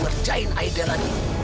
ngerjain aida lagi